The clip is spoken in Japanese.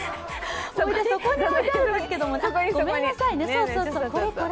そこに置いてあるんですけど、ごめんなさいね。